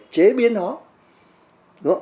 chế biến nó